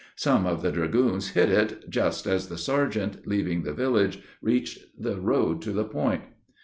Some of the dragoons hit it, just as the sergeant, leaving the village, reached the road to the point.